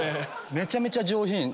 めちゃめちゃ上品。